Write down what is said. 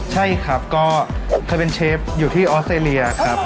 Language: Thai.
ใช่ครับก็เคยเป็นเชฟอยู่ที่ออสเตรเลียครับ